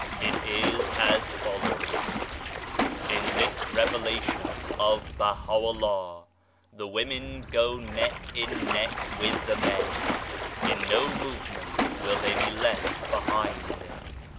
It is as follows : In this Revelation of BAHA'U'LLAH, the women go neck and neck with the men. In no movement will they be left behind.